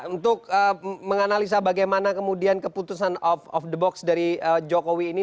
untuk menganalisa bagaimana kemudian keputusan of the box dari jokowi ini